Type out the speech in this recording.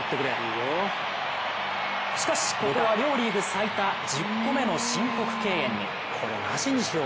しかしここは両リーグ最多１０個目の申告敬遠に。